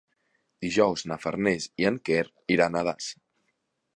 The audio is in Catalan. Dijous na Farners i en Quer iran a Das.